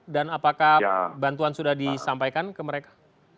dan apakah bantuan sudah disampaikan ke mereka